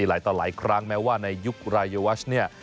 หลายต่อหลายครั้งแม้ว่าในยุครายวัชเนี่ย